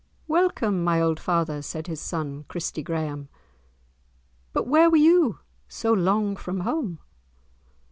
"Welcome, my old father," said his son, Christie Graeme, "but where were ye so long from home?"